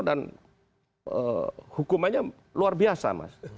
dan hukumannya luar biasa mas